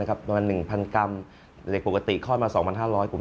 ประมาณ๑๐๐๐กรัมแต่เด็กปกติข้อนมา๒๕๐๐กรัม